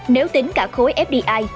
nếu tính cả khối fdi